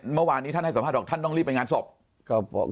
เมื่อวานนี้ท่านให้สัมภาษณ์บอกท่านต้องรีบไปงานศพครับผม